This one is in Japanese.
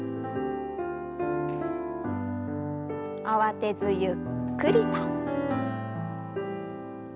慌てずゆっくりと。